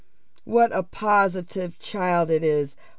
"What a positive child it is!